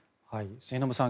末延さん